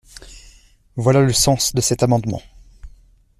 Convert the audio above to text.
Voilà le sens de cet amendement.